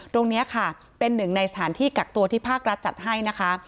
ตรงนี้ค่ะเป็นหนึ่งในสถานที่กักตัวที่ภาครัฐจัดให้นะคะ